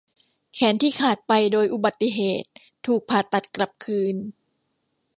แขนที่ขาดไปโดยอุบัติเหตุถูกผ่าตัดกลับคืน